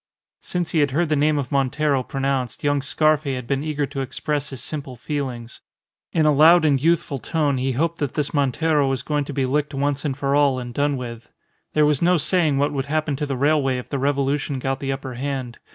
Since he had heard the name of Montero pronounced, young Scarfe had been eager to express his simple feelings. In a loud and youthful tone he hoped that this Montero was going to be licked once for all and done with. There was no saying what would happen to the railway if the revolution got the upper hand.